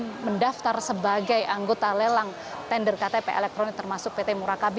yang mendaftar sebagai anggota lelang tender ktp elektronik termasuk pt murakabi